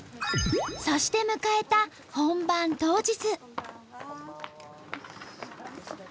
そして迎えた本番当日。